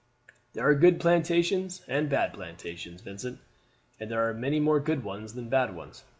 "There are good plantations and bad plantations, Vincent; and there are many more good ones than bad ones.